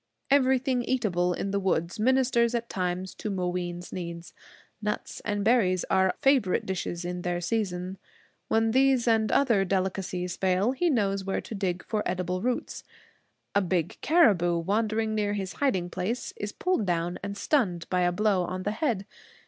Everything eatable in the woods ministers at times to Mooween's need. Nuts and berries are favorite dishes in their season. When these and other delicacies fail, he knows where to dig for edible roots. A big caribou, wandering near his hiding place, is pulled down and stunned by a blow on the head.